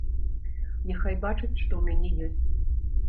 Няхай бачаць, што ў мяне ёсць.